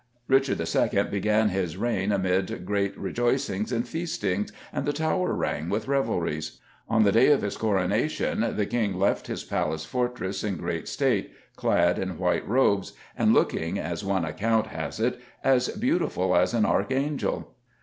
Richard II. began his reign amid great rejoicings and feastings, and the Tower rang with revelries. On the day of his Coronation the King left his palace fortress in great state, clad in white robes, and looking, as one account has it, "as beautiful as an archangel."